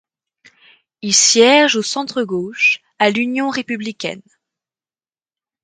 Il siège au centre-gauche, à l'Union républicaine.